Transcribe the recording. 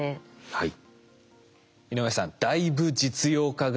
はい。